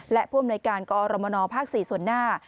และผู้อำนวยการกรมนภ๔ส่วนหน้า